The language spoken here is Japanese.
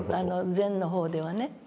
禅の方ではね。